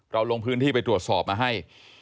ลงพื้นที่ไปตรวจสอบมาให้